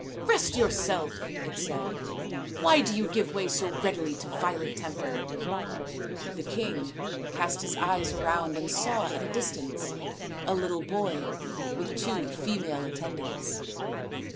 " Rest yourself," it said ;" why do you give way so readily to violent temper ?" The king cast his eyes around and saw at a distance a little boy with two female attendants.